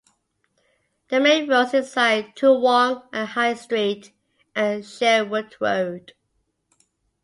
The main roads inside Toowong are High Street and Sherwood road.